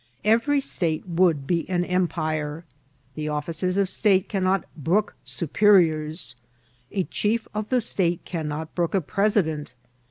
Every state would be an empire ; the officers of state cannot brook supe riors ; a chief of the state cannot brook a president.